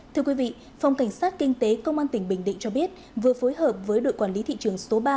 thưa quý vị phòng cảnh sát kinh tế công an tỉnh bình định cho biết vừa phối hợp với đội quản lý thị trường số ba